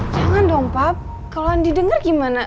jangan dong pap kalau andi denger gimana